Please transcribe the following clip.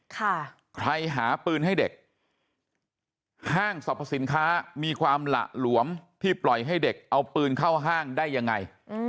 ใครหาปืนให้เด็กห้างสรรพสินค้ามีความหละหลวมที่ปล่อยให้เด็กเอาปืนเข้าห้างได้ยังไง